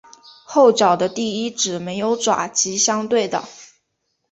后脚的第一趾没有爪及相对的。